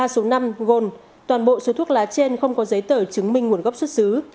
ba số năm gồm toàn bộ số thuốc lá trên không có giấy tờ chứng minh nguồn gốc xuất xứ